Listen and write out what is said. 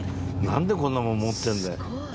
なんでこんなもん持ってんだよ。